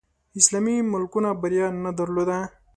اسلامي ملکونو بریا نه درلوده